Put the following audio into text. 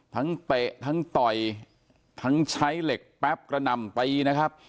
เตะทั้งต่อยทั้งใช้เหล็กแป๊บกระหน่ำตีนะครับ